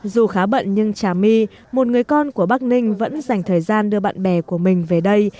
dù khá bận nhưng trả my một người con của bắc ninh vẫn dành thời gian đưa bạn bè của mình về đây